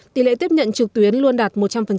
tỷ lệ tiếp nhận trực tuyến luôn đạt một trăm linh